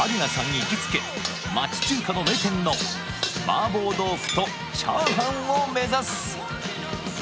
行きつけ町中華の名店の麻婆豆腐と炒飯を目指す！